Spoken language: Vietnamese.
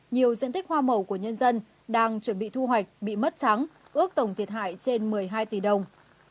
nhiều diện tích hoa màu của nhân dân đang chuẩn bị thu hoạch bị mất trắng ước tổng thiệt hại trên một mươi hai tỷ đồng